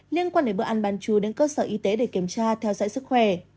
liên quan đến bữa ăn bán chú đến cơ sở y tế để kiểm tra theo dõi sức khỏe